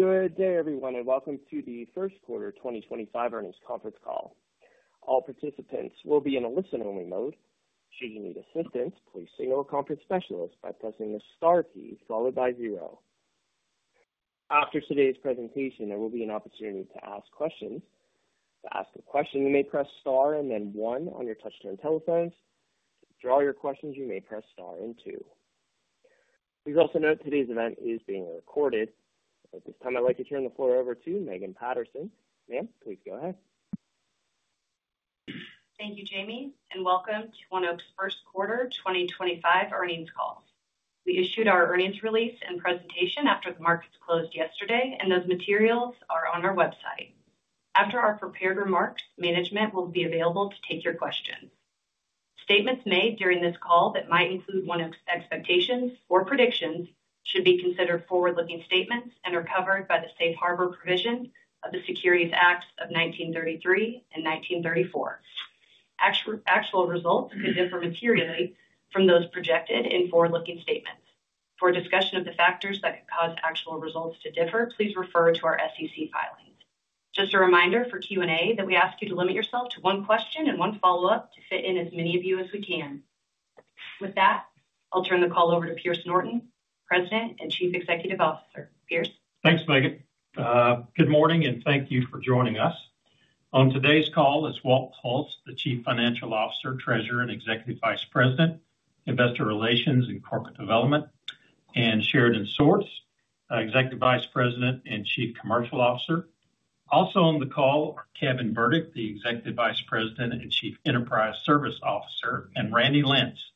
Good day, everyone, and welcome to the first quarter 2025 earnings conference call. All participants will be in a listen-only mode. Should you need assistance, please signal a conference specialist by pressing the star key followed by zero. After today's presentation, there will be an opportunity to ask questions. To ask a question, you may press star and then one on your touchscreen telephones. To withdraw your questions, you may press star and two. Please also note today's event is being recorded. At this time, I'd like to turn the floor over to Megan Patterson. Ma'am, please go ahead. Thank you, Jamie, and welcome to ONEOK's first quarter 2025 earnings call. We issued our earnings release and presentation after the markets closed yesterday, and those materials are on our website. After our prepared remarks, management will be available to take your questions. Statements made during this call that might include ONEOK's expectations or predictions should be considered forward-looking statements and are covered by the safe harbor provision of the Securities Acts of 1933 and 1934. Actual results could differ materially from those projected in forward-looking statements. For discussion of the factors that could cause actual results to differ, please refer to our SEC filings. Just a reminder for Q&A that we ask you to limit yourself to one question and one follow-up to fit in as many of you as we can. With that, I'll turn the call over to Pierce Norton, President and Chief Executive Officer. Pierce. Thanks, Megan. Good morning, and thank you for joining us. On today's call is Walt Hulse, the Chief Financial Officer, Treasurer, and Executive Vice President, Investor Relations and Corporate Development, and Sheridan Swords, Executive Vice President and Chief Commercial Officer. Also on the call are Kevin Burdick, the Executive Vice President and Chief Enterprise Service Officer, and Randy Lentz,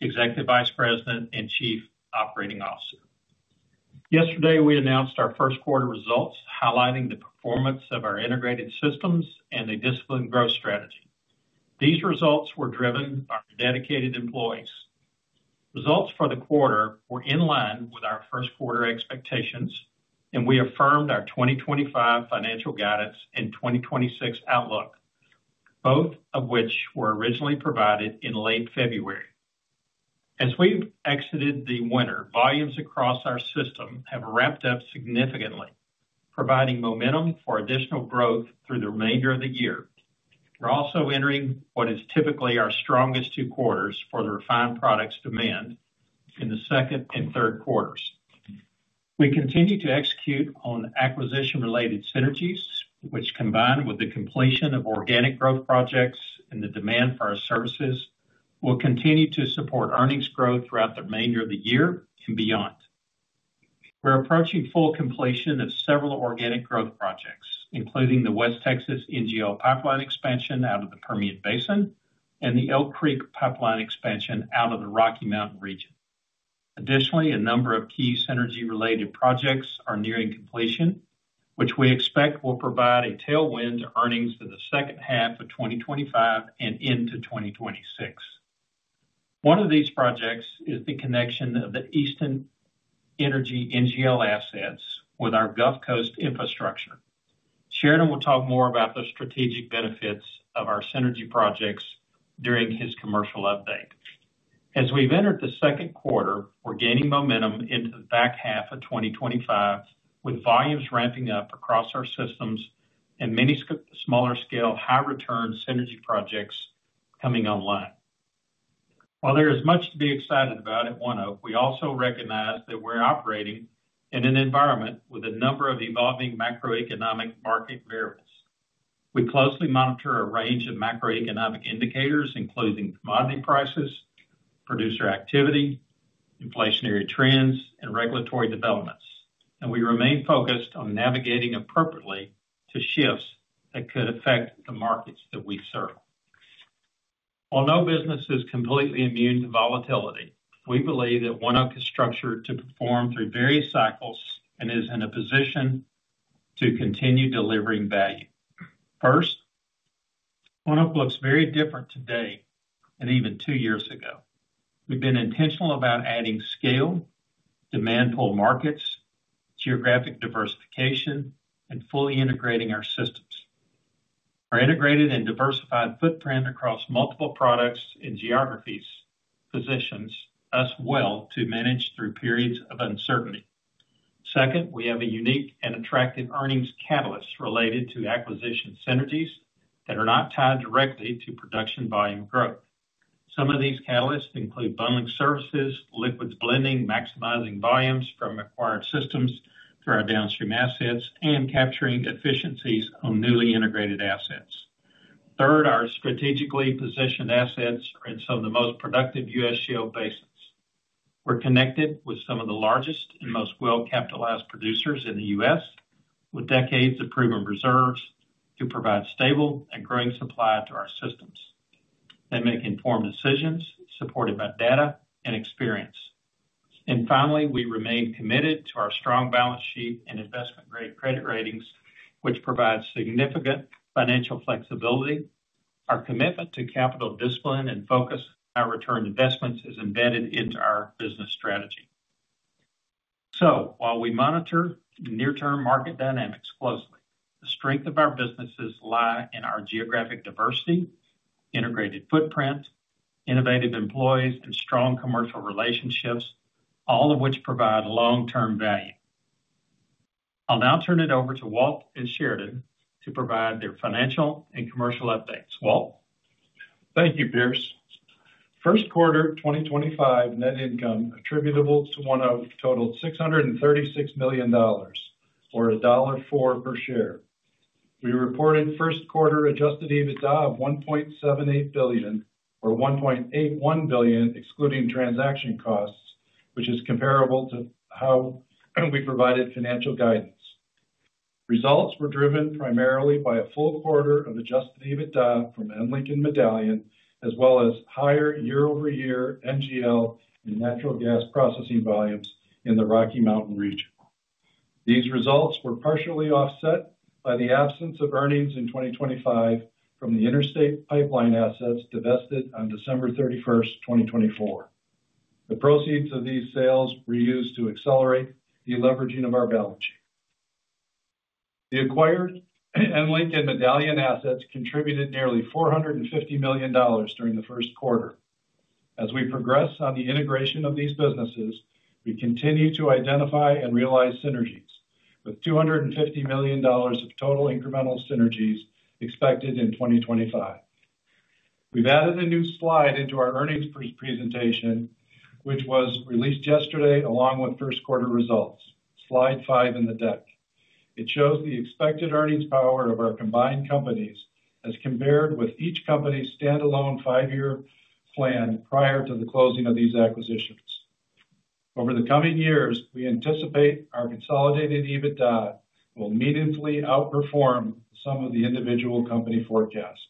Executive Vice President and Chief Operating Officer. Yesterday, we announced our first quarter results, highlighting the performance of our integrated systems and the disciplined growth strategy. These results were driven by our dedicated employees. Results for the quarter were in line with our first quarter expectations, and we affirmed our 2025 financial guidance and 2026 outlook, both of which were originally provided in late February. As we have exited the winter, volumes across our system have ramped up significantly, providing momentum for additional growth through the remainder of the year. We're also entering what is typically our strongest two quarters for the refined products demand in the second and third quarters. We continue to execute on acquisition-related synergies, which, combined with the completion of organic growth projects and the demand for our services, will continue to support earnings growth throughout the remainder of the year and beyond. We're approaching full completion of several organic growth projects, including the West Texas NGL pipeline expansion out of the Permian Basin and the Elk Creek pipeline expansion out of the Rocky Mountain region. Additionally, a number of key synergy-related projects are nearing completion, which we expect will provide a tailwind to earnings for the second half of 2025 and into 2026. ONEOK these projects is the connection of the Easton Energy NGL assets with our Gulf Coast infrastructure. Sheridan will talk more about the strategic benefits of our synergy projects during his commercial update. As we've entered the second quarter, we're gaining momentum into the back half of 2025, with volumes ramping up across our systems and many smaller-scale, high-return synergy projects coming online. While there is much to be excited about at ONEOK, we also recognize that we're operating in an environment with a number of evolving macroeconomic market variables. We closely monitor a range of macroeconomic indicators, including commodity prices, producer activity, inflationary trends, and regulatory developments, and we remain focused on navigating appropriately to shifts that could affect the markets that we serve. While no business is completely immune to volatility, we believe that ONEOK is structured to perform through various cycles and is in a position to continue delivering value. First, ONEOK looks very different today than even two years ago. We've been intentional about adding scale, demand-pull markets, geographic diversification, and fully integrating our systems. Our integrated and diversified footprint across multiple products and geographies positions us well to manage through periods of uncertainty. Second, we have a unique and attractive earnings catalyst related to acquisition synergies that are not tied directly to production volume growth. Some of these catalysts include bundling services, liquids blending, maximizing volumes from acquired systems through our downstream assets, and capturing efficiencies on newly integrated assets. Third, our strategically positioned assets are in some of the most productive U.S. shale basins. We're connected with some of the largest and most well-capitalized producers in the U.S., with decades of proven reserves to provide stable and growing supply to our systems. They make informed decisions supported by data and experience. We remain committed to our strong balance sheet and investment-grade credit ratings, which provide significant financial flexibility. Our commitment to capital discipline and focus on high-return investments is embedded into our business strategy. While we monitor near-term market dynamics closely, the strength of our businesses lies in our geographic diversity, integrated footprint, innovative employees, and strong commercial relationships, all of which provide long-term value. I'll now turn it over to Walt and Sheridan to provide their financial and commercial updates. Walt. Thank you, Pierce. First quarter 2025 net income attributable to ONEOK totaled $636 million, or $1.04 per share. We reported first quarter adjusted EBITDA of $1.78 billion, or $1.81 billion excluding transaction costs, which is comparable to how we provided financial guidance. Results were driven primarily by a full quarter of adjusted EBITDA from EnLink and Medallion, as well as higher year-over-year NGL and natural gas processing volumes in the Rocky Mountain region. These results were partially offset by the absence of earnings in 2025 from the interstate pipeline assets divested on December 31, 2024. The proceeds of these sales were used to accelerate the deleveraging of our balance sheet. The acquired EnLink and Medallion assets contributed nearly $450 million during the first quarter. As we progress on the integration of these businesses, we continue to identify and realize synergies, with $250 million of total incremental synergies expected in 2025. We've added a new slide into our earnings presentation, which was released yesterday along with first quarter results, slide five in the deck. It shows the expected earnings power of our combined companies as compared with each company's standalone five-year plan prior to the closing of these acquisitions. Over the coming years, we anticipate our consolidated EBITDA will meaningfully outperform some of the individual company forecasts.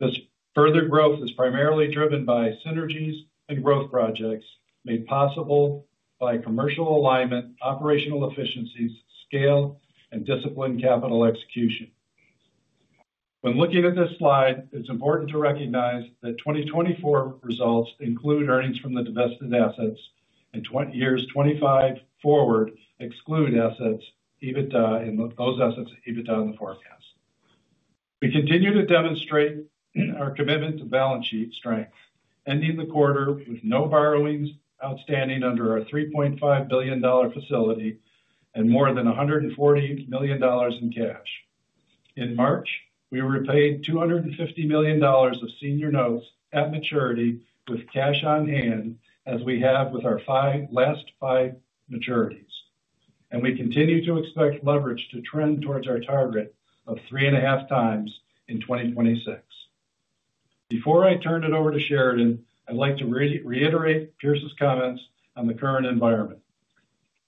This further growth is primarily driven by synergies and growth projects made possible by commercial alignment, operational efficiencies, scale, and disciplined capital execution. When looking at this slide, it's important to recognize that 2024 results include earnings from the divested assets and years 2025 forward exclude assets EBITDA and those assets EBITDA in the forecast. We continue to demonstrate our commitment to balance sheet strength, ending the quarter with no borrowings outstanding under our $3.5 billion facility and more than $140 million in cash. In March, we repaid $250 million of senior notes at maturity with cash on hand, as we have with our last five maturities. We continue to expect leverage to trend towards our target of three and a half times in 2026. Before I turn it over to Sheridan, I'd like to reiterate Pierce's comments on the current environment.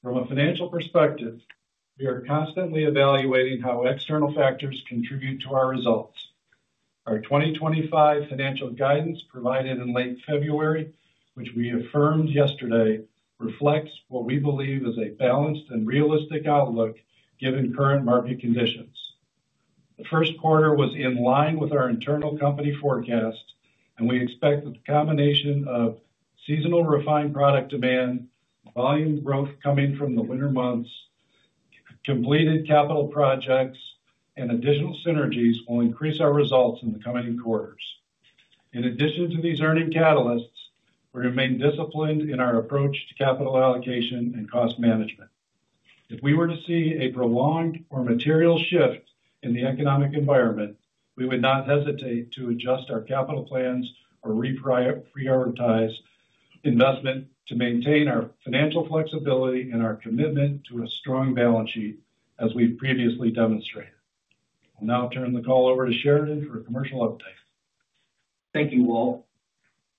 From a financial perspective, we are constantly evaluating how external factors contribute to our results. Our 2025 financial guidance provided in late February, which we affirmed yesterday, reflects what we believe is a balanced and realistic outlook given current market conditions. The first quarter was in line with our internal company forecast, and we expect that the combination of seasonal refined product demand, volume growth coming from the winter months, completed capital projects, and additional synergies will increase our results in the coming quarters. In addition to these earning catalysts, we remain disciplined in our approach to capital allocation and cost management. If we were to see a prolonged or material shift in the economic environment, we would not hesitate to adjust our capital plans or reprioritize investment to maintain our financial flexibility and our commitment to a strong balance sheet, as we've previously demonstrated. I'll now turn the call over to Sheridan for a commercial update. Thank you, Walt.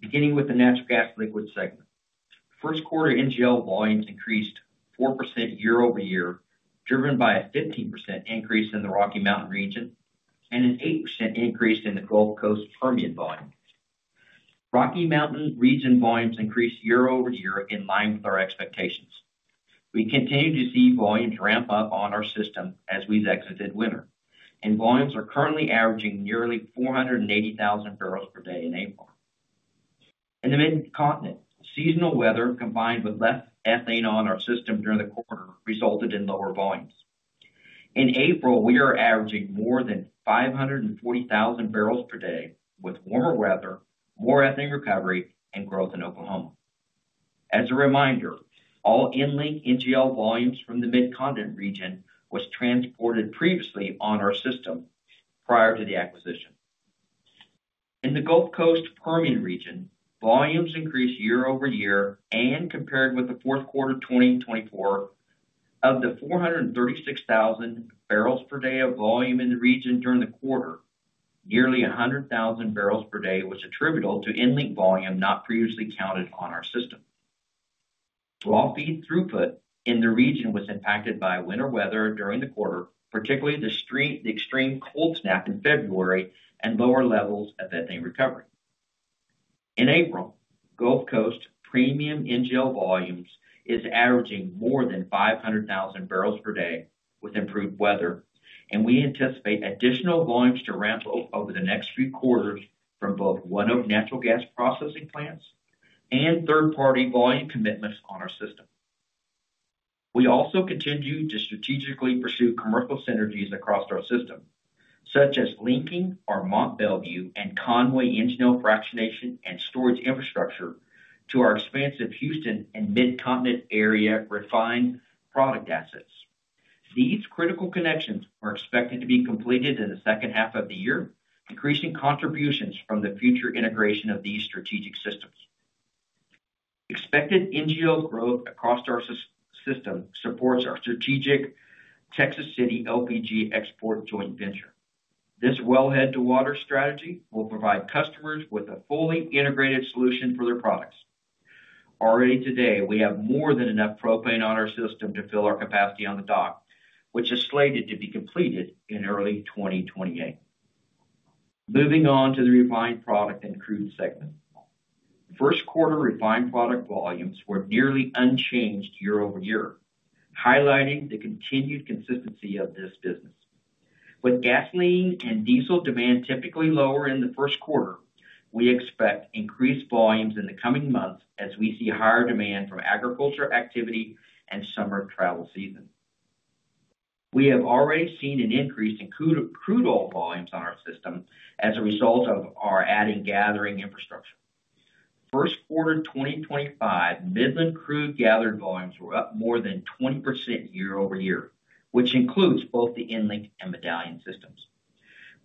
Beginning with the natural gas liquids segment, first quarter NGL volumes increased 4% year-over-year, driven by a 15% increase in the Rocky Mountain region and an 8% increase in the Gulf Coast Permian volume. Rocky Mountain region volumes increased year-over-year in line with our expectations. We continue to see volumes ramp up on our system as we've exited winter, and volumes are currently averaging nearly 480,000 barrels per day in April. In the mid-continent, seasonal weather combined with less ethane on our system during the quarter resulted in lower volumes. In April, we are averaging more than 540,000 barrels per day with warmer weather, more ethane recovery, and growth in Oklahoma. As a reminder, all EnLink NGL volumes from the mid-continent region were transported previously on our system prior to the acquisition. In the Gulf Coast Permian region, volumes increased year-over-year and compared with the fourth quarter 2024. Of the 436,000 barrels per day of volume in the region during the quarter, nearly 100,000 barrels per day was attributable to EnLink volume not previously counted on our system. Lofty throughput in the region was impacted by winter weather during the quarter, particularly the extreme cold snap in February and lower levels of ethane recovery. In April, Gulf Coast Permian NGL volumes are averaging more than 500,000 barrels per day with improved weather, and we anticipate additional volumes to ramp up over the next few quarters from both one of natural gas processing plants and third-party volume commitments on our system. We also continue to strategically pursue commercial synergies across our system, such as linking our Mont Belvieu and Conway NGL fractionation and storage infrastructure to our expansive Houston and mid-continent area refined product assets. These critical connections are expected to be completed in the second half of the year, increasing contributions from the future integration of these strategic systems. Expected NGL growth across our system supports our strategic Texas City LPG export joint venture. This wellhead-to-water strategy will provide customers with a fully integrated solution for their products. Already today, we have more than enough propane on our system to fill our capacity on the dock, which is slated to be completed in early 2028. Moving on to the refined product and crude segment, first quarter refined product volumes were nearly unchanged year-over-year, highlighting the continued consistency of this business. With gasoline and diesel demand typically lower in the first quarter, we expect increased volumes in the coming months as we see higher demand from agriculture activity and summer travel season. We have already seen an increase in crude oil volumes on our system as a result of our adding gathering infrastructure. First quarter 2025, Midland crude gathered volumes were up more than 20% year-over-year, which includes both the EnLink and Medallion systems.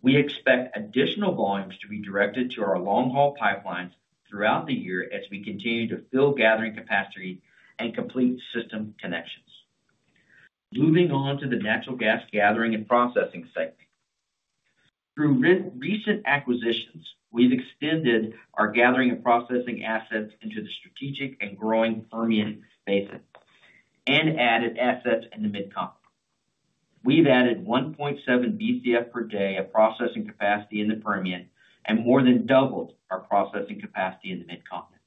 We expect additional volumes to be directed to our long-haul pipelines throughout the year as we continue to fill gathering capacity and complete system connections. Moving on to the natural gas gathering and processing segment. Through recent acquisitions, we've extended our gathering and processing assets into the strategic and growing Permian Basin and added assets in the Mid-Continent. We've added 1.7 Bcf per day of processing capacity in the Permian and more than doubled our processing capacity in the mid-continent.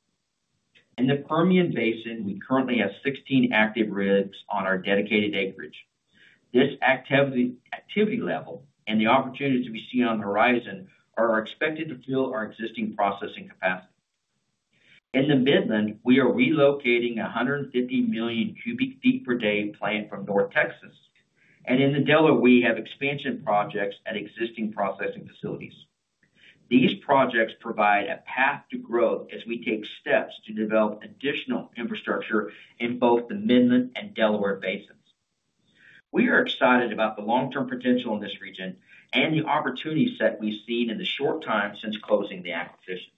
In the Permian Basin, we currently have 16 active rigs on our dedicated acreage. This activity level and the opportunities we see on the horizon are expected to fill our existing processing capacity. In the Midland, we are relocating a 150 million cubic feet per day plant from North Texas, and in the Delaware, we have expansion projects at existing processing facilities. These projects provide a path to growth as we take steps to develop additional infrastructure in both the Midland and Delaware basins. We are excited about the long-term potential in this region and the opportunity set we've seen in the short time since closing the acquisition.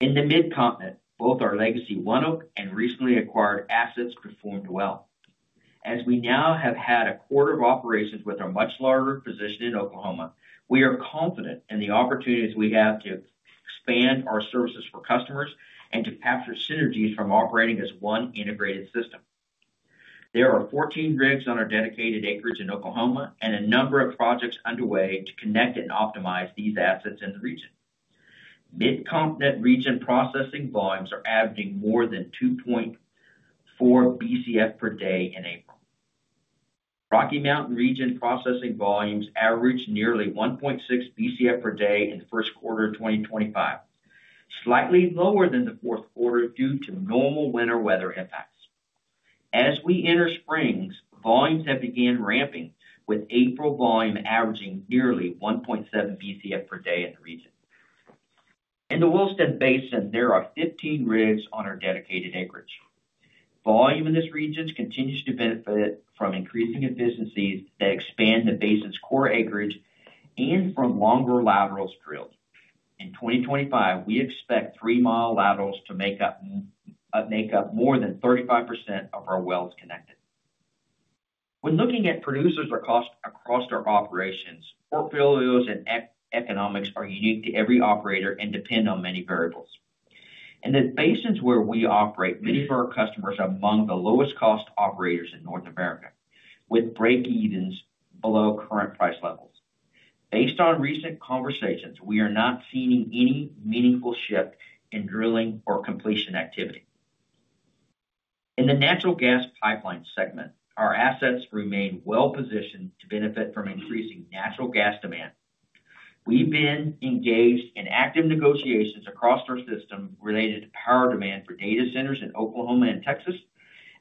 In the mid-continent, both our legacy ONEOK and recently acquired assets performed well. As we now have had a quarter of operations with our much larger position in Oklahoma, we are confident in the opportunities we have to expand our services for customers and to capture synergies from operating as one integrated system. There are 14 rigs on our dedicated acreage in Oklahoma and a number of projects underway to connect and optimize these assets in the region. Mid-continent region processing volumes are averaging more than 2.4 Bcf per day in April. Rocky Mountain region processing volumes averaged nearly 1.6 Bcf per day in the first quarter of 2025, slightly lower than the fourth quarter due to normal winter weather impacts. As we enter spring, volumes have begun ramping, with April volume averaging nearly 1.7 Bcf per day in the region. In the Williston Basin, there are 15 rigs on our dedicated acreage. Volume in this region continues to benefit from increasing efficiencies that expand the basin's core acreage and from longer laterals drilled. In 2025, we expect three-mile laterals to make up more than 35% of our wells connected. When looking at producers' costs across our operations, portfolios and economics are unique to every operator and depend on many variables. In the basins where we operate, many of our customers are among the lowest-cost operators in North America, with break-evens below current price levels. Based on recent conversations, we are not seeing any meaningful shift in drilling or completion activity. In the natural gas pipeline segment, our assets remain well-positioned to benefit from increasing natural gas demand. We've been engaged in active negotiations across our system related to power demand for data centers in Oklahoma and Texas,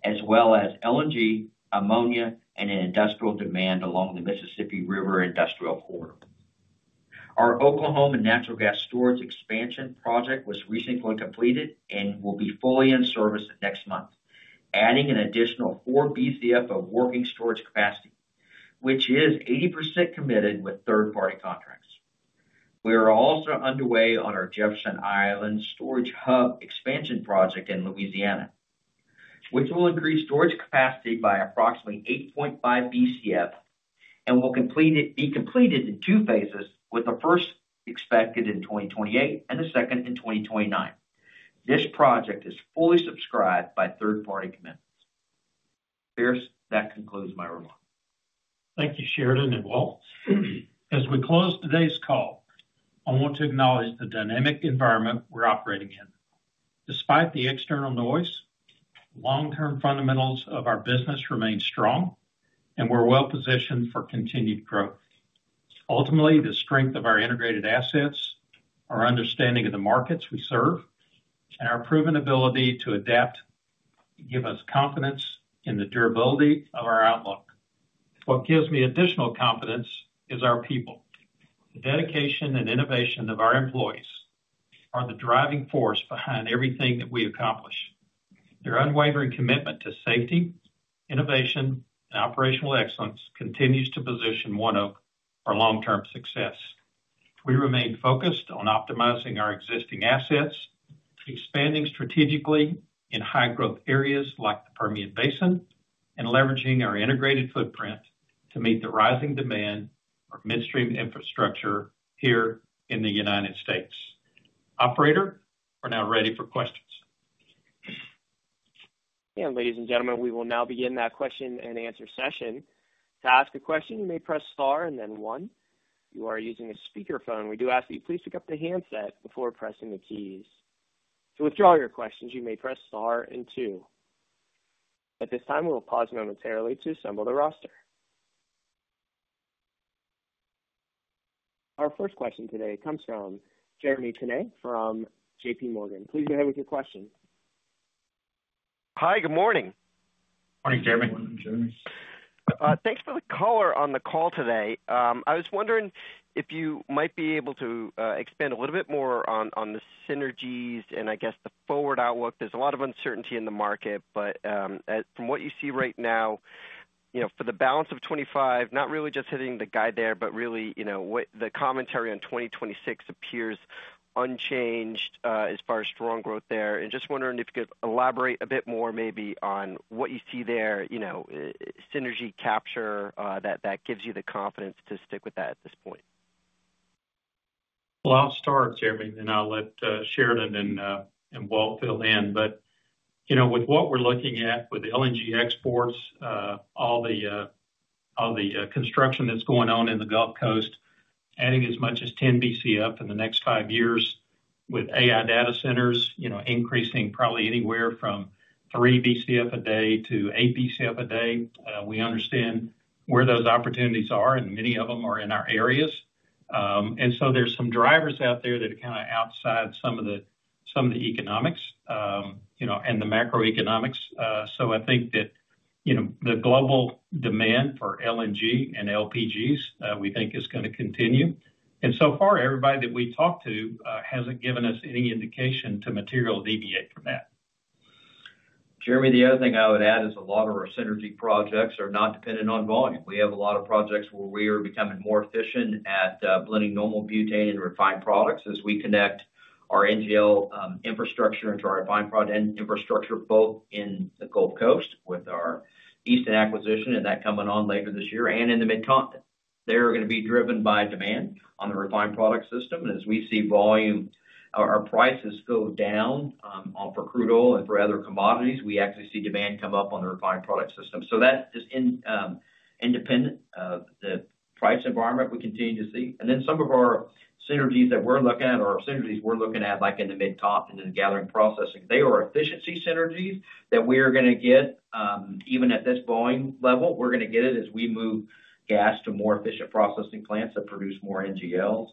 as well as LNG, ammonia, and industrial demand along the Mississippi River industrial corridor. Our Oklahoma natural gas storage expansion project was recently completed and will be fully in service next month, adding an additional 4 Bcf of working storage capacity, which is 80% committed with third-party contracts. We are also underway on our Jefferson Island storage hub expansion project in Louisiana, which will increase storage capacity by approximately 8.5 Bcf and will be completed in two phases, with the first expected in 2028 and the second in 2029. This project is fully subscribed by third-party commitments. Pierce, that concludes my remarks. Thank you, Sheridan and Walt. As we close today's call, I want to acknowledge the dynamic environment we're operating in. Despite the external noise, long-term fundamentals of our business remain strong, and we're well-positioned for continued growth. Ultimately, the strength of our integrated assets, our understanding of the markets we serve, and our proven ability to adapt give us confidence in the durability of our outlook. What gives me additional confidence is our people. The dedication and innovation of our employees are the driving force behind everything that we accomplish. Their unwavering commitment to safety, innovation, and operational excellence continues to position ONEOK for long-term success. We remain focused on optimizing our existing assets, expanding strategically in high-growth areas like the Permian Basin, and leveraging our integrated footprint to meet the rising demand for midstream infrastructure here in the United States. Operator, we're now ready for questions. Ladies and gentlemen, we will now begin that question and answer session. To ask a question, you may press star and then one. If you are using a speakerphone, we do ask that you please pick up the handset before pressing the keys. To withdraw your questions, you may press star and two. At this time, we will pause momentarily to assemble the roster. Our first question today comes from Jeremy Tonet from JPMorgan. Please go ahead with your question. Hi, good morning. Morning, Jeremy. Morning, Jeremy. Thanks for the color on the call today. I was wondering if you might be able to expand a little bit more on the synergies and, I guess, the forward outlook. There's a lot of uncertainty in the market, but from what you see right now, for the balance of 2025, not really just hitting the guy there, but really the commentary on 2026 appears unchanged as far as strong growth there. Just wondering if you could elaborate a bit more maybe on what you see there, synergy capture that gives you the confidence to stick with that at this point. I'll start, Jeremy, and I'll let Sheridan and Walt fill in. With what we're looking at with LNG exports, all the construction that's going on in the Gulf Coast, adding as much as 10 Bcf in the next five years with AI data centers increasing probably anywhere from 3 Bcf a day to 8 Bcf a day, we understand where those opportunities are, and many of them are in our areas. There are some drivers out there that are kind of outside some of the economics and the macroeconomics. I think that the global demand for LNG and LPGs, we think, is going to continue. So far, everybody that we talked to hasn't given us any indication to materially deviate from that. Jeremy, the other thing I would add is a lot of our synergy projects are not dependent on volume. We have a lot of projects where we are becoming more efficient at blending normal butane and refined products as we connect our NGL infrastructure into our refined product infrastructure both in the Gulf Coast with our Easton acquisition and that coming on later this year and in the mid-continent. They are going to be driven by demand on the refined product system. As we see volume, our prices go down for crude oil and for other commodities, we actually see demand come up on the refined product system. That is independent of the price environment we continue to see. Some of our synergies that we're looking at, like in the mid-continent and the gathering processing, they are efficiency synergies that we are going to get even at this volume level. We're going to get it as we move gas to more efficient processing plants that produce more NGLs.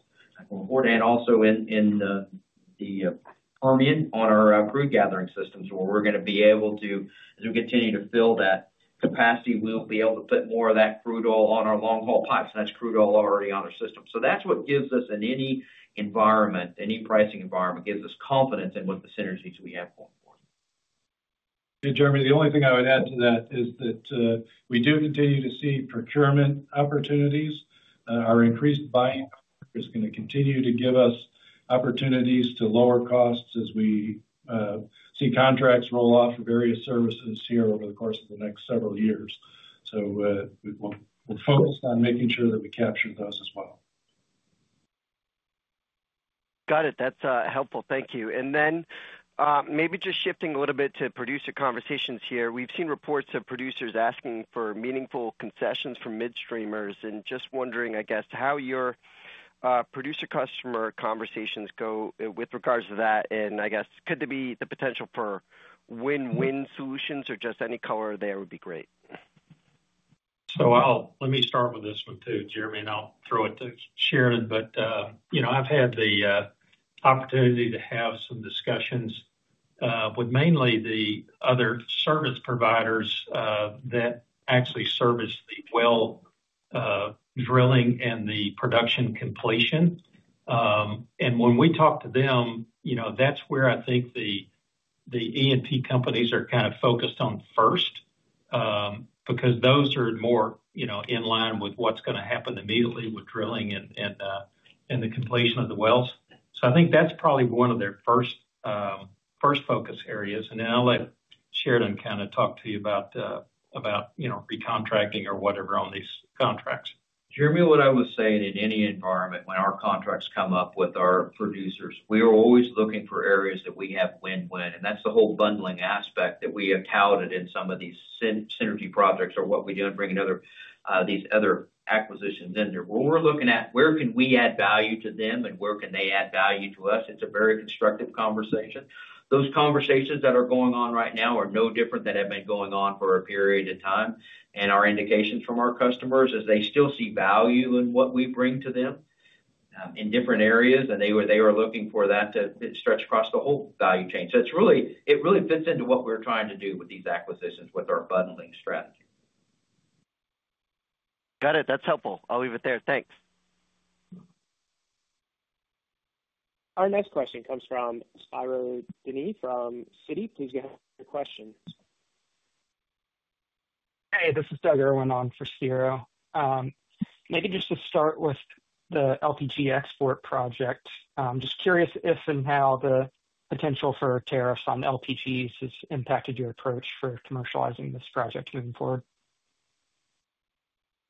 Also in the Permian on our crude gathering systems where we're going to be able to, as we continue to fill that capacity, we'll be able to put more of that crude oil on our long-haul pipes. That is crude oil already on our system. That is what gives us, in any environment, any pricing environment, confidence in what the synergies we have going forward. Jeremy, the only thing I would add to that is that we do continue to see procurement opportunities. Our increased buying is going to continue to give us opportunities to lower costs as we see contracts roll off for various services here over the course of the next several years. We are focused on making sure that we capture those as well. Got it. That's helpful. Thank you. Maybe just shifting a little bit to producer conversations here. We've seen reports of producers asking for meaningful concessions for midstreamers and just wondering, I guess, how your producer-customer conversations go with regards to that. I guess, could there be the potential for win-win solutions or just any color there would be great? Let me start with this one too, Jeremy, and I'll throw it to Sheridan. I've had the opportunity to have some discussions with mainly the other service providers that actually service the well drilling and the production completion. When we talk to them, that's where I think the E&P companies are kind of focused on first because those are more in line with what's going to happen immediately with drilling and the completion of the wells. I think that's probably one of their first focus areas. I'll let Sheridan kind of talk to you about recontracting or whatever on these contracts. Jeremy, what I would say in any environment, when our contracts come up with our producers, we are always looking for areas that we have win-win. That is the whole bundling aspect that we have touted in some of these synergy projects or what we do and bring these other acquisitions in there. We are looking at where can we add value to them and where can they add value to us. It is a very constructive conversation. Those conversations that are going on right now are no different than have been going on for a period of time. Our indications from our customers is they still see value in what we bring to them in different areas, and they are looking for that to stretch across the whole value chain. It really fits into what we are trying to do with these acquisitions with our bundling strategy. Got it. That's helpful. I'll leave it there. Thanks. Our next question comes from Doug Irwin from Citi. Please go ahead with your questions. Hey, this is Doug Irwin on for Spiro. Maybe just to start with the LPG export project, I'm just curious if and how the potential for tariffs on LPGs has impacted your approach for commercializing this project moving forward.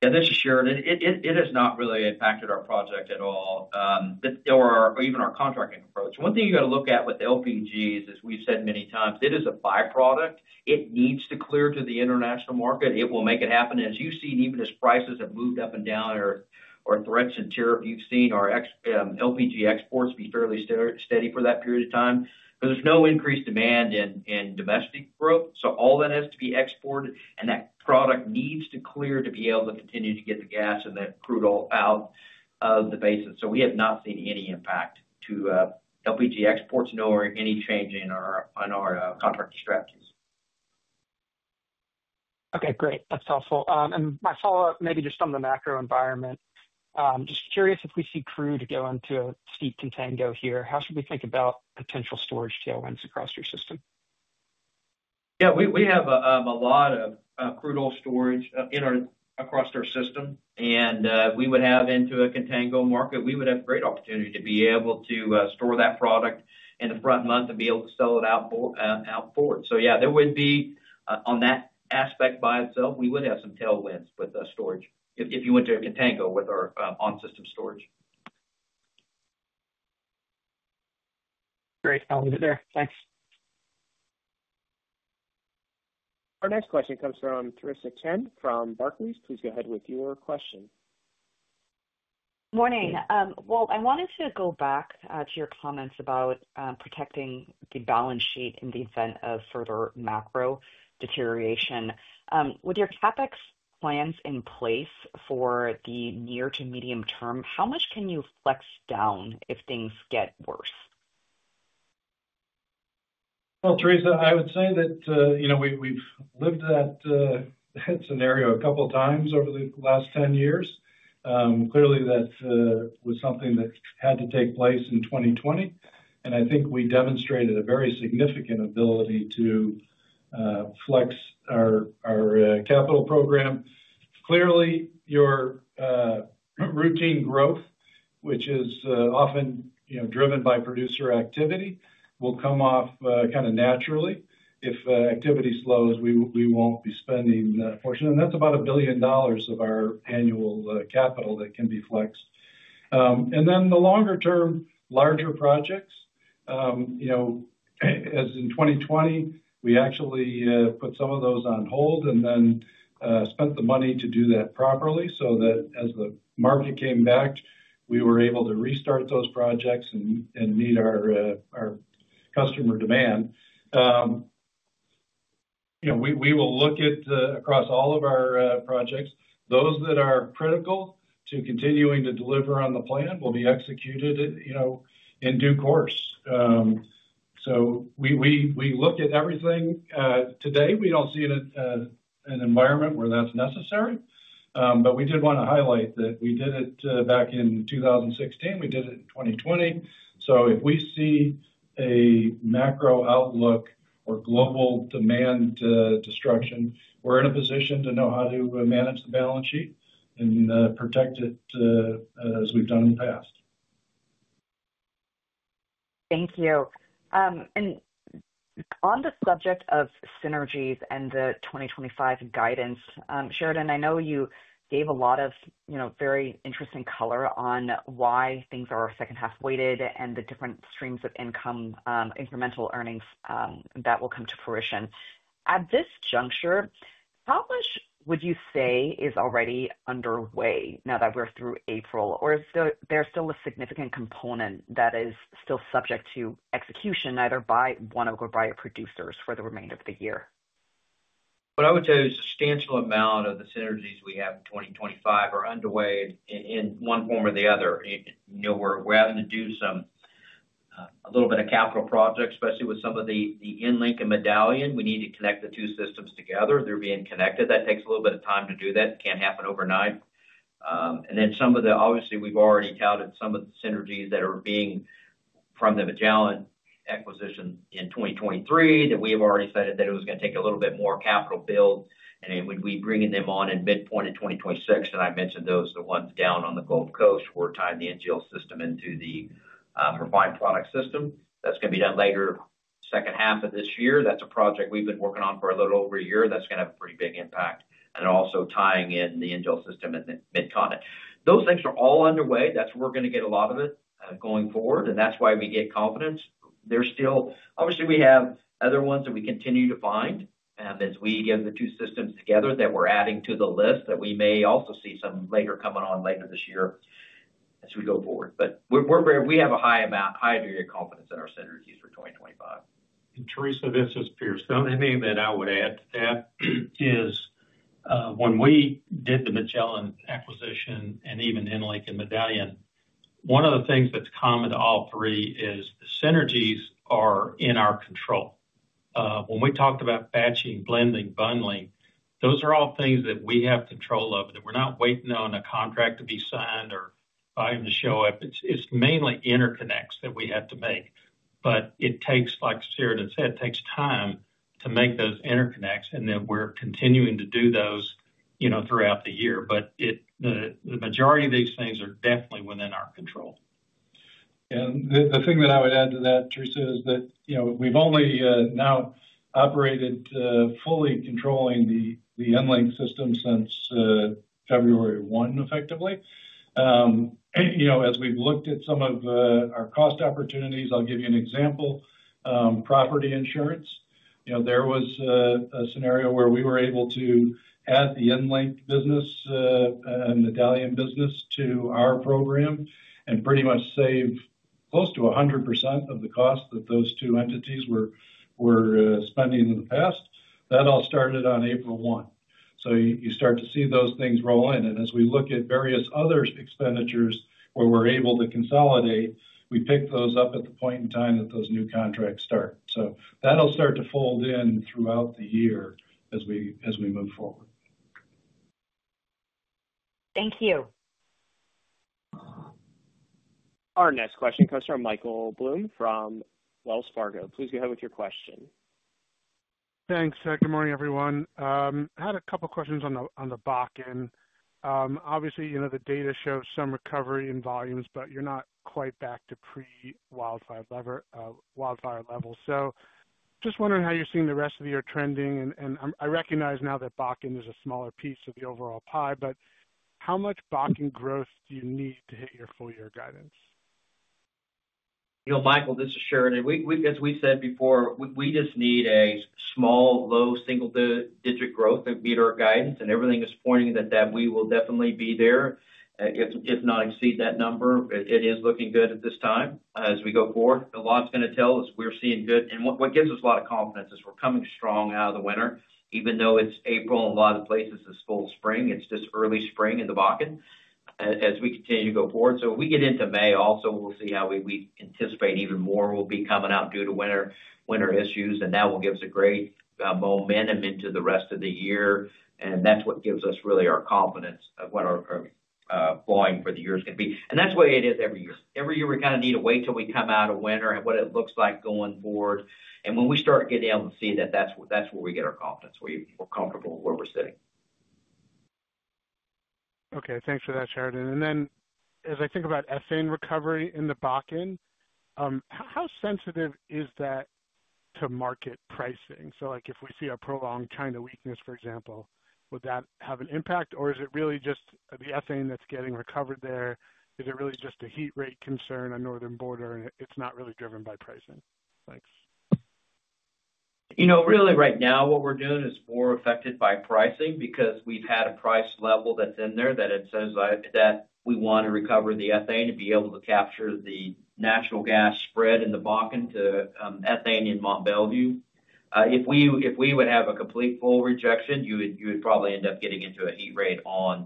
Yeah, this is Sheridan. It has not really impacted our project at all or even our contracting approach. One thing you got to look at with LPGs is, we've said many times, it is a byproduct. It needs to clear to the international market. It will make it happen. As you see, even as prices have moved up and down or threats and tariffs, you've seen our LPG exports be fairly steady for that period of time because there's no increased demand in domestic growth. All that has to be exported, and that product needs to clear to be able to continue to get the gas and the crude oil out of the basin. We have not seen any impact to LPG exports nor any change in our contracting strategies. Okay, great. That's helpful. My follow-up, maybe just on the macro environment. Just curious if we see crude go into a steep contango here. How should we think about potential storage tailwinds across your system? Yeah, we have a lot of crude oil storage across our system. If we would have into a contango market, we would have a great opportunity to be able to store that product in the front month and be able to sell it out forward. Yeah, there would be on that aspect by itself, we would have some tailwinds with storage if you went to a contango with our on-system storage. Great. I'll leave it there. Thanks. Our next question comes from Theresa Chen from Barclays. Please go ahead with your question. Good morning. I wanted to go back to your comments about protecting the balance sheet in the event of further macro deterioration. With your CapEx plans in place for the near to medium term, how much can you flex down if things get worse? Theresa, I would say that we've lived that scenario a couple of times over the last 10 years. Clearly, that was something that had to take place in 2020. I think we demonstrated a very significant ability to flex our capital program. Clearly, your routine growth, which is often driven by producer activity, will come off kind of naturally. If activity slows, we won't be spending a portion. That is about $1 billion of our annual capital that can be flexed. The longer-term, larger projects, as in 2020, we actually put some of those on hold and then spent the money to do that properly so that as the market came back, we were able to restart those projects and meet our customer demand. We will look at across all of our projects. Those that are critical to continuing to deliver on the plan will be executed in due course. We look at everything. Today, we do not see an environment where that is necessary. We did want to highlight that we did it back in 2016. We did it in 2020. If we see a macro outlook or global demand destruction, we are in a position to know how to manage the balance sheet and protect it as we have done in the past. Thank you. On the subject of synergies and the 2025 guidance, Sheridan, I know you gave a lot of very interesting color on why things are second-half weighted and the different streams of income, incremental earnings that will come to fruition. At this juncture, how much would you say is already underway now that we're through April? Or is there still a significant component that is still subject to execution either by ONEOK or by your producers for the remainder of the year? What I would say is a substantial amount of the synergies we have in 2025 are underway in one form or the other. We're having to do some a little bit of capital projects, especially with some of the EnLink and Medallion. We need to connect the two systems together. They're being connected. That takes a little bit of time to do that. It can't happen overnight. Obviously, we've already touted some of the synergies that are being from the Magellan acquisition in 2023 that we have already said that it was going to take a little bit more capital build. We're bringing them on in midpoint in 2026. I mentioned those, the ones down on the Gulf Coast where we're tying the NGL system into the refined product system. That's going to be done later second half of this year. That's a project we've been working on for a little over a year that's going to have a pretty big impact. Also tying in the NGL system in the mid-continent. Those things are all underway. That's where we're going to get a lot of it going forward. That's why we get confidence. Obviously, we have other ones that we continue to find as we get the two systems together that we're adding to the list that we may also see some later coming on later this year as we go forward. We have a high degree of confidence in our synergies for 2025. Theresa, this is Pierce. The only thing that I would add to that is when we did the Magellan acquisition and even EnLink and Medallion, one of the things that is common to all three is the synergies are in our control. When we talked about batching, blending, bundling, those are all things that we have control of that we are not waiting on a contract to be signed or buying to show up. It is mainly interconnects that we have to make. It takes, like Sheridan said, it takes time to make those interconnects. We are continuing to do those throughout the year. The majority of these things are definitely within our control. The thing that I would add to that, Theresa, is that we've only now operated fully controlling the EnLink system since February 1, effectively. As we've looked at some of our cost opportunities, I'll give you an example. Property insurance. There was a scenario where we were able to add the EnLink business and Medallion business to our program and pretty much save close to 100% of the cost that those two entities were spending in the past. That all started on April 1. You start to see those things roll in. As we look at various other expenditures where we're able to consolidate, we pick those up at the point in time that those new contracts start. That'll start to fold in throughout the year as we move forward. Thank you. Our next question comes from Michael Blum from Wells Fargo. Please go ahead with your question. Thanks. Good morning, everyone. I had a couple of questions on the Bakken. Obviously, the data shows some recovery in volumes, but you're not quite back to pre-wildfire level. Just wondering how you're seeing the rest of the year trending. I recognize now that Bakken is a smaller piece of the overall pie, but how much Bakken growth do you need to hit your full-year guidance? Michael, this is Sheridan. As we said before, we just need a small, low single-digit growth in meter of guidance. Everything is pointing that we will definitely be there, if not exceed that number. It is looking good at this time as we go forward. A lot is going to tell us we are seeing good. What gives us a lot of confidence is we are coming strong out of the winter. Even though it is April and a lot of places it is full spring, it is just early spring in the Bakken as we continue to go forward. If we get into May also, we will see how we anticipate even more will be coming out due to winter issues. That will give us great momentum into the rest of the year. That is what gives us really our confidence of what our volume for the year is going to be. That is the way it is every year. Every year, we kind of need to wait till we come out of winter and what it looks like going forward. When we start getting able to see that, that is where we get our confidence, where we are comfortable with where we are sitting. Okay. Thanks for that, Sheridan. As I think about ethane recovery in the Bakken, how sensitive is that to market pricing? If we see a prolonged China weakness, for example, would that have an impact? Is it really just the ethane that's getting recovered there? Is it really just a heat rate concern on Northern Border? It's not really driven by pricing. Thanks. Really, right now, what we're doing is more affected by pricing because we've had a price level that's in there that it says that we want to recover the ethane to be able to capture the natural gas spread in the Bakken to ethane in Mont Belvieu. If we would have a complete full rejection, you would probably end up getting into a heat rate for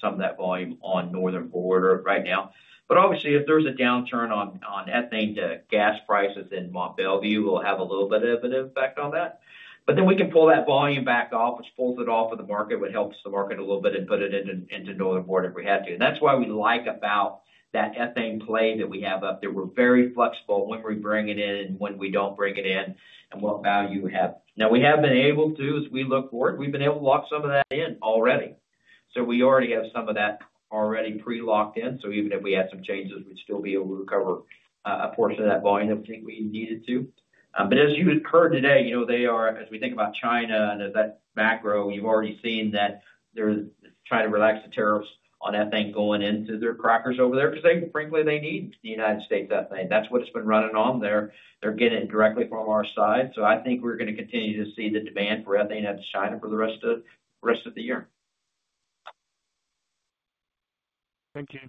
some of that volume on Northern Border right now. Obviously, if there's a downturn on ethane to gas prices in Mont Belvieu, we'll have a little bit of an impact on that. We can pull that volume back off, which pulls it off of the market, would help the market a little bit and put it into Northern Border if we had to. That's what we like about that ethane play that we have up there. We're very flexible when we bring it in and when we don't bring it in and what value we have. Now, we have been able to, as we look forward, we've been able to lock some of that in already. We already have some of that already pre-locked in. Even if we had some changes, we'd still be able to recover a portion of that volume that we think we needed to. As you heard today, as we think about China and that macro, you've already seen that they're trying to relax the tariffs on ethane going into their crackers over there because frankly, they need the United States ethane. That's what it's been running on there. They're getting it directly from our side. I think we're going to continue to see the demand for ethane out to China for the rest of the year. Thank you.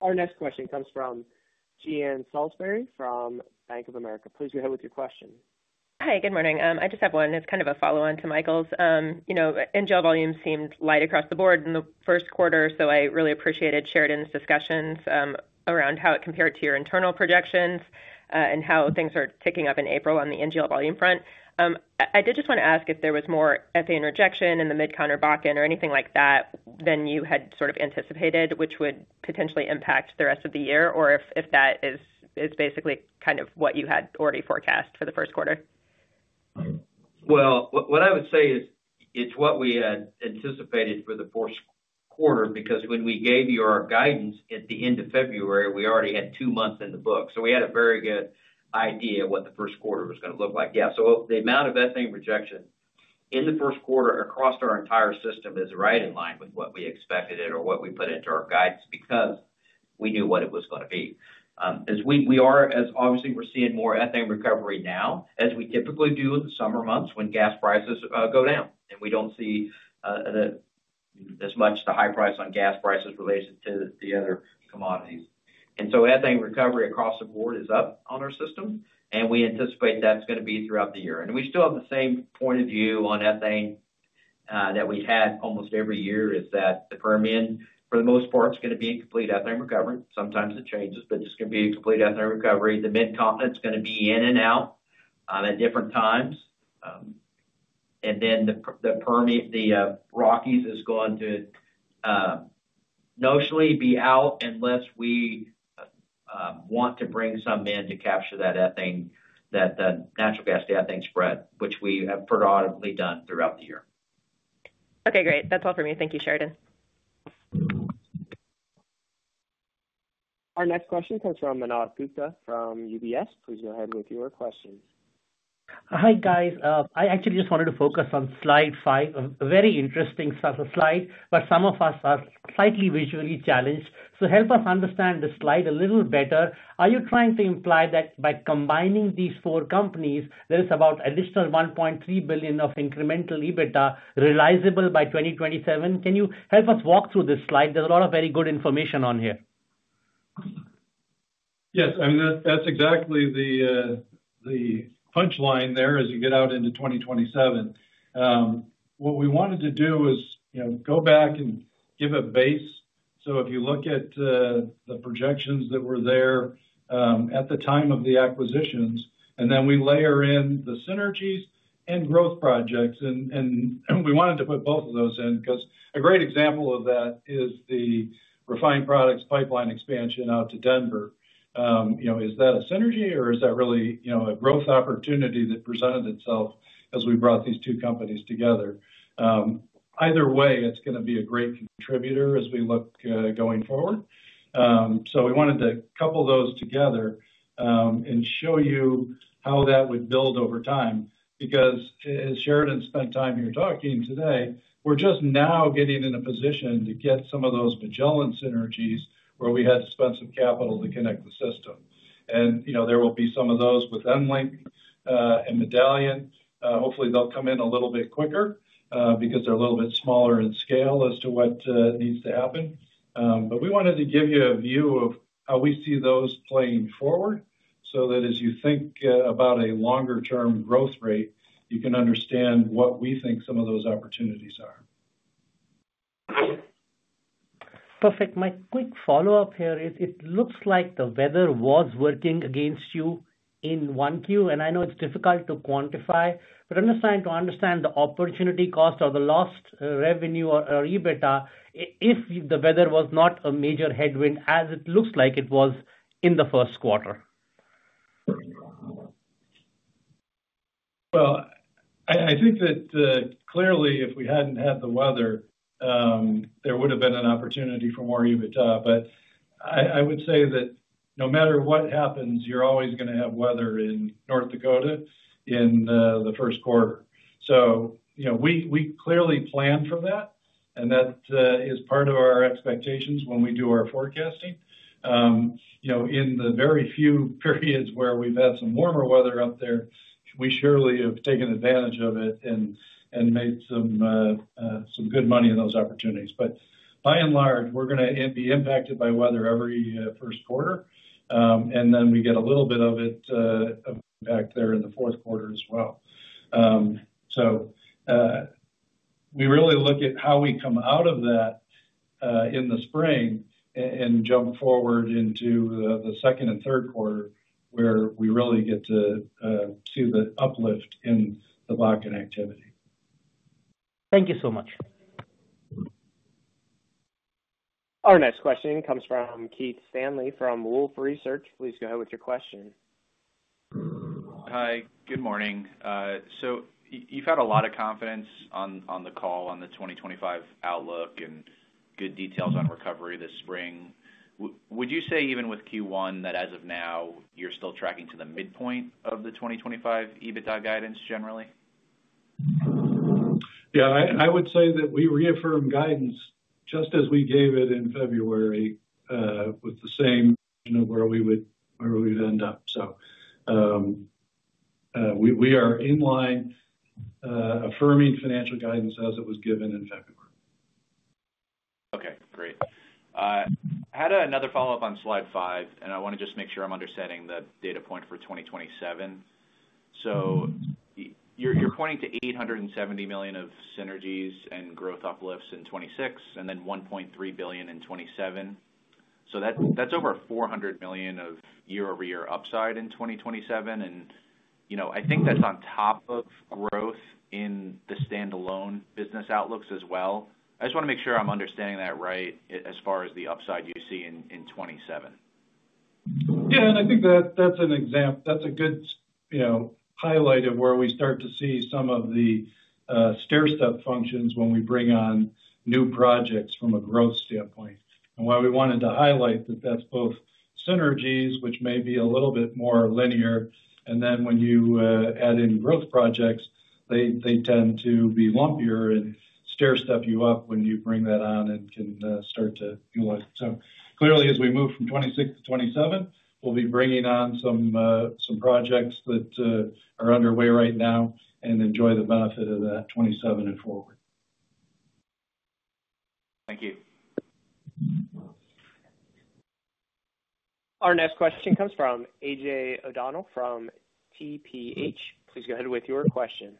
Our next question comes from Jean Ann Salisbury from Bank of America. Please go ahead with your question. Hi. Good morning. I just have one. It is kind of a follow-on to Michael's. NGL volumes seemed light across the board in the first quarter. I really appreciated Sheridan's discussions around how it compared to your internal projections and how things are ticking up in April on the NGL volume front. I did just want to ask if there was more ethane rejection in the mid-continent or Bakken or anything like that than you had sort of anticipated, which would potentially impact the rest of the year, or if that is basically kind of what you had already forecast for the first quarter. What I would say is it's what we had anticipated for the first quarter because when we gave you our guidance at the end of February, we already had two months in the book. We had a very good idea of what the first quarter was going to look like. Yeah. The amount of ethane rejection in the first quarter across our entire system is right in line with what we expected it or what we put into our guidance because we knew what it was going to be. Obviously, we're seeing more ethane recovery now as we typically do in the summer months when gas prices go down. We do not see as much the high price on gas prices related to the other commodities. Ethane recovery across the board is up on our system. We anticipate that's going to be throughout the year. We still have the same point of view on ethane that we had almost every year, which is that the Permian, for the most part, is going to be in complete ethane recovery. Sometimes it changes, but it's going to be in complete ethane recovery. The Mid-Continent is going to be in and out at different times. The Rockies is going to notionally be out unless we want to bring some in to capture that ethane, that natural gas ethane spread, which we have predominantly done throughout the year. Okay. Great. That's all for me. Thank you, Sheridan. Our next question comes from Manav Gupta from UBS. Please go ahead with your question. Hi, guys. I actually just wanted to focus on slide five. A very interesting slide, but some of us are slightly visually challenged. Help us understand the slide a little better. Are you trying to imply that by combining these four companies, there is about an additional $1.3 billion of incremental EBITDA realizable by 2027? Can you help us walk through this slide? There is a lot of very good information on here. Yes. I mean, that's exactly the punchline there as you get out into 2027. What we wanted to do is go back and give a base. If you look at the projections that were there at the time of the acquisitions, and then we layer in the synergies and growth projects. We wanted to put both of those in because a great example of that is the refined products pipeline expansion out to Denver. Is that a synergy or is that really a growth opportunity that presented itself as we brought these two companies together? Either way, it's going to be a great contributor as we look going forward. We wanted to couple those together and show you how that would build over time because as Sheridan spent time here talking today, we're just now getting in a position to get some of those Magellan synergies where we had to spend some capital to connect the system. There will be some of those with EnLink and Medallion. Hopefully, they'll come in a little bit quicker because they're a little bit smaller in scale as to what needs to happen. We wanted to give you a view of how we see those playing forward so that as you think about a longer-term growth rate, you can understand what we think some of those opportunities are. Perfect. My quick follow-up here is it looks like the weather was working against you in Q1. And I know it's difficult to quantify, but understand to understand the opportunity cost or the lost revenue or EBITDA if the weather was not a major headwind as it looks like it was in the first quarter. I think that clearly, if we hadn't had the weather, there would have been an opportunity for more EBITDA. I would say that no matter what happens, you're always going to have weather in North Dakota in the first quarter. We clearly plan for that. That is part of our expectations when we do our forecasting. In the very few periods where we've had some warmer weather up there, we surely have taken advantage of it and made some good money in those opportunities. By and large, we're going to be impacted by weather every first quarter. We get a little bit of it back there in the fourth quarter as well. We really look at how we come out of that in the spring and jump forward into the second and third quarter where we really get to see the uplift in the Bakken activity. Thank you so much. Our next question comes from Keith Stanley from Wolfe Research. Please go ahead with your question. Hi. Good morning. You've had a lot of confidence on the call on the 2025 outlook and good details on recovery this spring. Would you say even with Q1 that as of now, you're still tracking to the midpoint of the 2025 EBITDA guidance generally? Yeah. I would say that we reaffirmed guidance just as we gave it in February with the same version of where we would end up. We are in line affirming financial guidance as it was given in February. Okay. Great. I had another follow-up on slide five, and I want to just make sure I'm understanding the data point for 2027. You're pointing to $870 million of synergies and growth uplifts in 2026 and then $1.3 billion in 2027. That's over $400 million of year-over-year upside in 2027. I think that's on top of growth in the standalone business outlooks as well. I just want to make sure I'm understanding that right as far as the upside you see in 2027. Yeah. I think that's an example. That's a good highlight of where we start to see some of the stairstep functions when we bring on new projects from a growth standpoint. That is why we wanted to highlight that that's both synergies, which may be a little bit more linear, and then when you add in growth projects, they tend to be lumpier and stair-step you up when you bring that on and can start to. Clearly, as we move from 2026 to 2027, we'll be bringing on some projects that are underway right now and enjoy the benefit of that 2027 and forward. Thank you. Our next question comes from A.J. O'Donnell from TPH. Please go ahead with your question.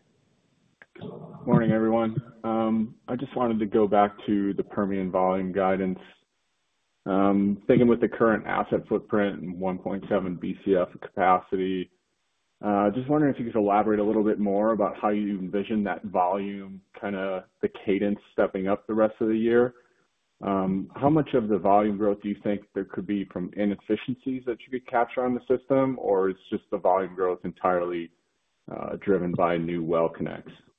Morning, everyone. I just wanted to go back to the Permian volume guidance. Thinking with the current asset footprint and 1.7 Bcf capacity, just wondering if you could elaborate a little bit more about how you envision that volume, kind of the cadence stepping up the rest of the year. How much of the volume growth do you think there could be from inefficiencies that you could capture on the system, or is just the volume growth entirely driven by new well connects? Yeah. That is true.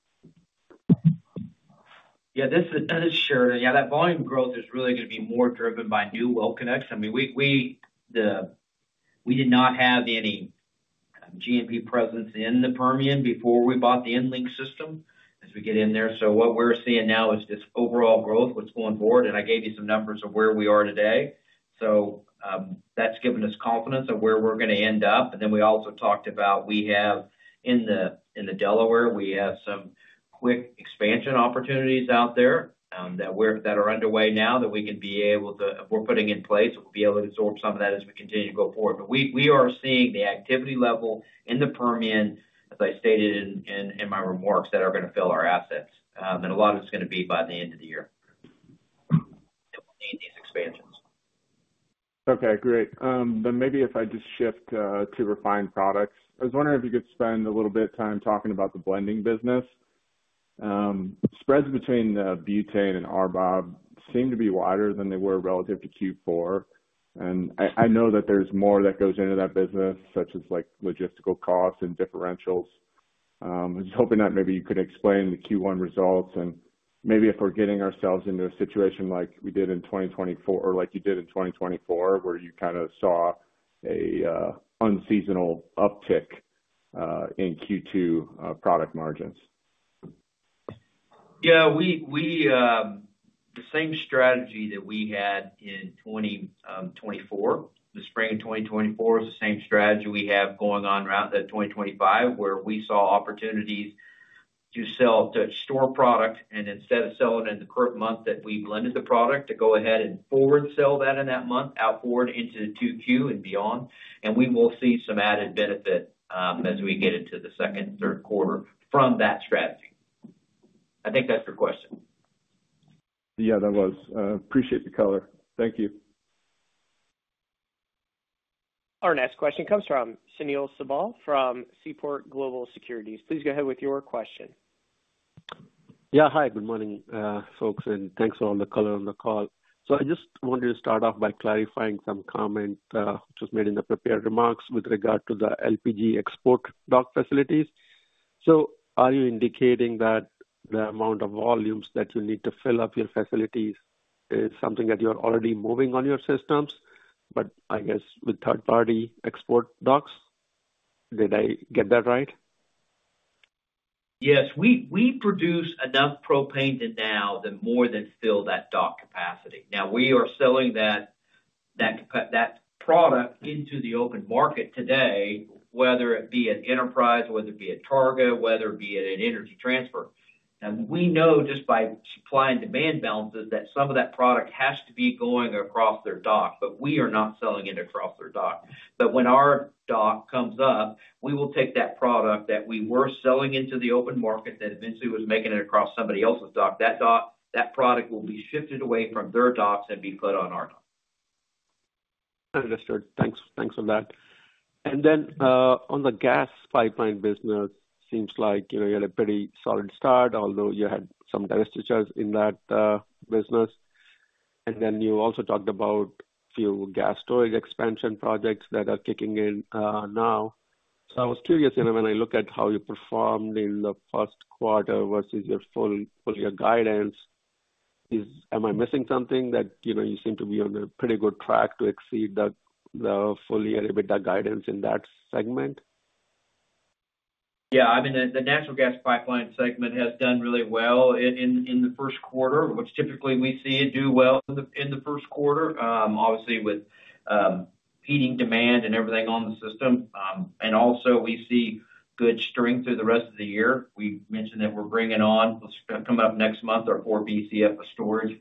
Yeah. That volume growth is really going to be more driven by new well connects. I mean, we did not have any GNP presence in the Permian before we bought the EnLink system as we get in there. What we're seeing now is just overall growth, what's going forward. I gave you some numbers of where we are today. That's given us confidence of where we're going to end up. We also talked about we have in the Delaware, we have some quick expansion opportunities out there that are underway now that we can be able to, if we're putting in place, we'll be able to absorb some of that as we continue to go forward. We are seeing the activity level in the Permian, as I stated in my remarks, that are going to fill our assets. A lot of it's going to be by the end of the year that we'll need these expansions. Okay. Great. Maybe if I just shift to refined products, I was wondering if you could spend a little bit of time talking about the blending business. Spreads between Butane and RBOB seem to be wider than they were relative to Q4. I know that there's more that goes into that business, such as logistical costs and differentials. I was hoping that maybe you could explain the Q1 results. Maybe if we're getting ourselves into a situation like we did in 2024, or like you did in 2024, where you kind of saw an unseasonal uptick in Q2 product margins. Yeah. The same strategy that we had in 2024, the spring of 2024, is the same strategy we have going on around 2025, where we saw opportunities to store product. Instead of selling in the current month that we blended the product, to go ahead and forward sell that in that month out forward into Q2 and beyond. We will see some added benefit as we get into the second and third quarter from that strategy. I think that's your question. Yeah, that was. Appreciate the color. Thank you. Our next question comes from Sunil Sibal from Seaport Global Securities. Please go ahead with your question. Yeah. Hi. Good morning, folks. Thanks for all the color on the call. I just wanted to start off by clarifying some comment which was made in the prepared remarks with regard to the LPG export dock facilities. Are you indicating that the amount of volumes that you need to fill up your facilities is something that you are already moving on your systems, but I guess with third-party export docks? Did I get that right? Yes. We produce enough propane to now more than fill that dock capacity. Now, we are selling that product into the open market today, whether it be at Enterprise, whether it be at Targa, whether it be at Energy Transfer. We know just by supply and demand balances that some of that product has to be going across their dock, but we are not selling it across their dock. When our dock comes up, we will take that product that we were selling into the open market that eventually was making it across somebody else's dock. That product will be shifted away from their docks and be put on our dock. Understood. Thanks for that. On the gas pipeline business, seems like you had a pretty solid start, although you had some divestitures in that business. You also talked about a few gas storage expansion projects that are kicking in now. I was curious, when I look at how you performed in the first quarter versus your full year guidance, am I missing something that you seem to be on a pretty good track to exceed the full year EBITDA guidance in that segment? Yeah. I mean, the natural gas pipeline segment has done really well in the first quarter, which typically we see it do well in the first quarter, obviously with heating demand and everything on the system. We also see good strength through the rest of the year. We mentioned that we're bringing on, coming up next month, our 4 Bcf of storage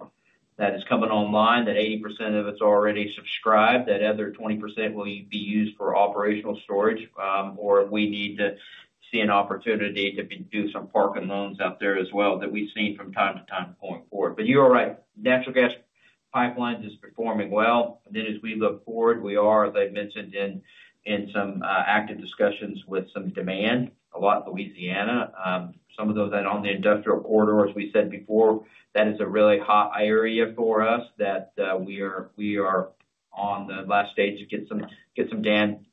that is coming online, that 80% of it is already subscribed, that other 20% will be used for operational storage, or we need to see an opportunity to do some park and loans out there as well that we've seen from time to time going forward. You're right. Natural gas pipeline is performing well. As we look forward, we are, as I mentioned, in some active discussions with some demand, a lot in Louisiana. Some of those that are on the industrial corridor, as we said before, that is a really hot area for us that we are on the last stage to get some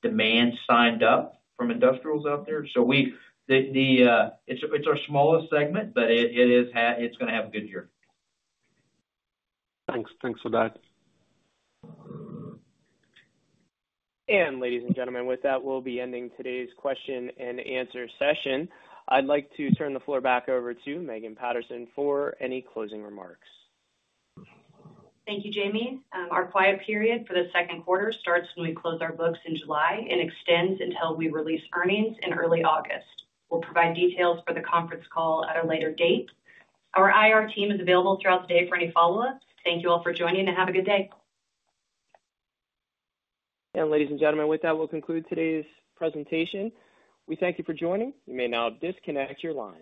demand signed up from industrials out there. It is our smallest segment, but it is going to have a good year. Thanks. Thanks for that. Ladies and gentlemen, with that, we'll be ending today's question and answer session. I'd like to turn the floor back over to Megan Patterson for any closing remarks. Thank you, Jamie. Our quiet period for the second quarter starts when we close our books in July and extends until we release earnings in early August. We'll provide details for the conference call at a later date. Our IR team is available throughout the day for any follow-up. Thank you all for joining and have a good day. Ladies and gentlemen, with that, we'll conclude today's presentation. We thank you for joining. You may now disconnect your line.